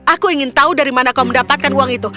aku ingin tahu dari mana kau mendapatkan uang itu